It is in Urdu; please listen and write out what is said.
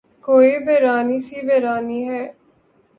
کوئی ویرانی سی ویرانی ہے